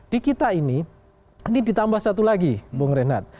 di kita ini ini ditambah satu lagi bung renat